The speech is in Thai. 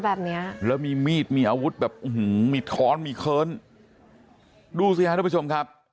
แบบเนี้ยแล้วมีมีดมีอาวุธแบบอื้อหือมีท้อนมีเคิ้นดูสิฮะทุกผู้ชมครับ